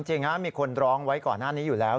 จริงมีคนร้องไว้ก่อนหน้านี้อยู่แล้ว